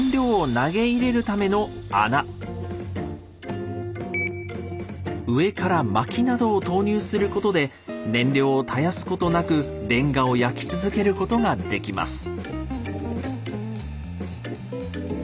正解は上から薪などを投入することで燃料を絶やすことなくレンガを焼き続けることができます。